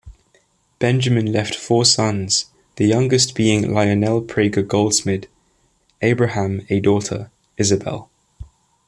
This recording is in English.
Benjamin left four sons, the youngest being Lionel Prager Goldsmid; Abraham a daughter, Isabel.